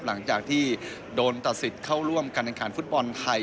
หลังจากที่โดนตัดสิทธิ์เข้าร่วมการแข่งขันฟุตบอลไทย